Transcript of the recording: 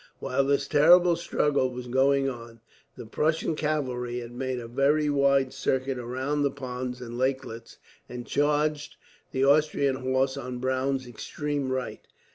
While this terrible struggle was going on, the Prussian cavalry had made a very wide circuit round the ponds and lakelets, and charged the Austrian horse on Browne's extreme right.